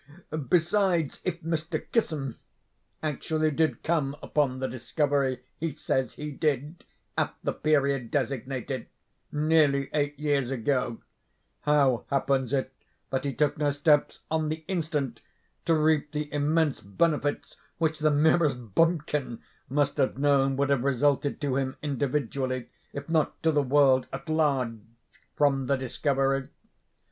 Besides, if Mr. Kissam actually did come upon the discovery he says he did, at the period designated—nearly eight years ago—how happens it that he took no steps, on the instant, to reap the immense benefits which the merest bumpkin must have known would have resulted to him individually, if not to the world at large, from the discovery?